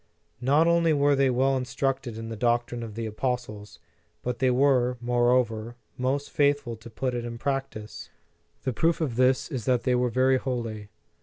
Not only were they well instructed in the doctrine of the apostles, but they were, more over, most faithful to put it in practice. The proof of this is that they were very holy.